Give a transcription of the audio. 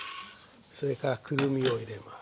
それからくるみを入れます。